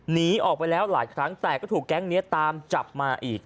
หนีออกไปแล้วหลายครั้งแต่ก็ถูกแก๊งนี้ตามจับมาอีก